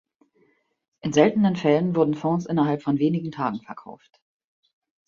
In seltenen Fällen wurden Fonds innerhalb von wenigen Tagen verkauft.